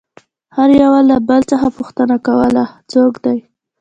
هر يوه له بل څخه پوښتنه كوله څوك دى؟